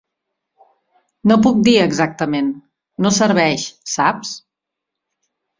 "No puc dir exactament" no serveix, saps?